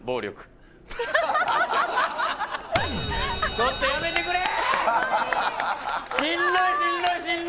ちょっとやめてくれー！